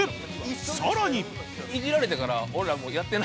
さらに